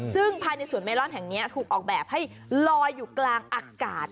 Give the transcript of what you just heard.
ซึ่งภายในสวนเมลอนแห่งนี้ถูกออกแบบให้ลอยอยู่กลางอากาศ